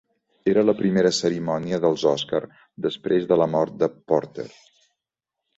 Era la primera cerimònia dels Oscars després de la mort de Porter.